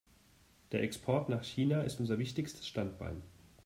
Der Export nach China ist unser wichtigstes Standbein.